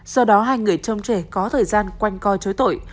do đó hai người trông trẻ có thời gian quanh co chối tội